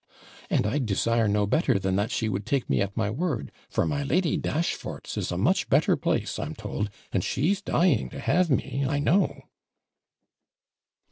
And I'd desire no better than that she would take me at my word; for my Lady Dashfort's is a much better place, I'm told, and she's dying to have me, I know.'